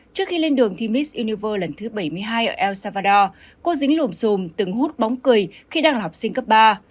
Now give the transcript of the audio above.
trước khi lên đường thi mis univer lần thứ bảy mươi hai ở el salvador cô dính lùm xùm từng hút bóng cười khi đang là học sinh cấp ba